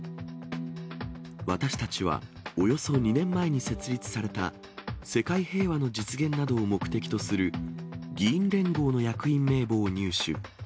私たちはおよそ２年前に設立された、世界平和の実現などを目的とする議員連合の役員名簿を入手。